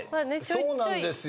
そうなんですよ。